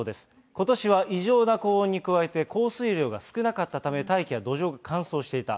ことしは異常な高温に加えて、降水量が少なかったため、大気や土壌が乾燥していた。